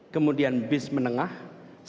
kemudian bis menengahnya